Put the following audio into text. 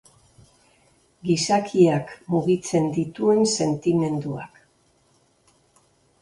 Gizakiak mugitzen dituen sentimenduak.